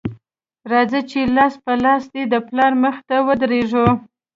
راځه چې لاس په لاس دې د پلار مخې ته ودرېږو